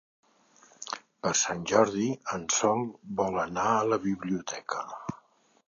Per Sant Jordi en Sol vol anar a la biblioteca.